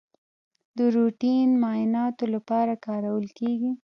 د روټین معایناتو لپاره کارول کیږي.